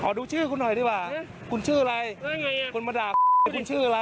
ดูชื่อคุณหน่อยดีกว่าคุณชื่ออะไรอ่ะคุณมาดักคุณชื่ออะไร